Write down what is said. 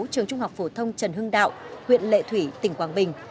trường trung học phổ thông trần hưng đạo huyện lệ thủy tỉnh quảng bình